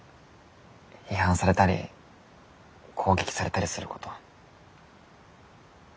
批判されたり攻撃されたりすること。